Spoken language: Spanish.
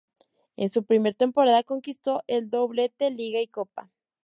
En su primera temporada conquistó el doblete: liga y copa.